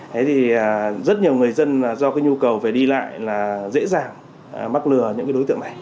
thế thì rất nhiều người dân là do cái nhu cầu về đi lại là dễ dàng mắc lừa những cái đối tượng này